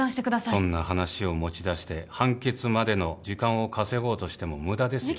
そんな話を持ち出して判決までの時間を稼ごうとしても無駄ですよ